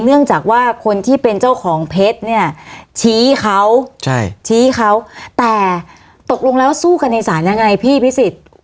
เนื่องจากว่าคนที่เป็นเจ้าของเพชรเนี่ยชี้เขาชี้เขาแต่ตกลงแล้วสู้กันในศาลยังไงพี่พิสิทธิ์